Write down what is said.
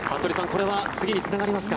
これは次につながりますか。